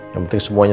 yang penting semuanya